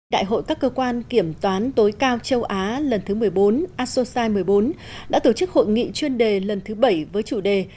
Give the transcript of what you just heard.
đại hội các cơ quan kiểm toán tối cao châu á lần thứ một mươi bốn asosai một mươi bốn đã tổ chức hội nghị chuyên đề lần thứ bảy với chủ đề